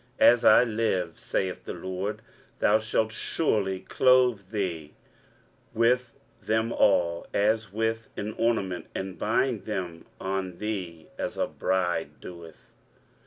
As I live, saith the LORD, thou shalt surely clothe thee with them all, as with an ornament, and bind them on thee, as a bride doeth.